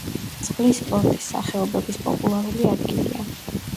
წყლის სპორტის სახეობების პოპულარული ადგილია.